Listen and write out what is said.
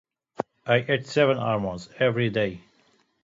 I eat seven almonds every day.